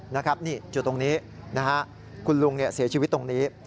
นะครับนี่จุดตรงนี้นะฮะคุณลุงเสียชีวิตตรงนี้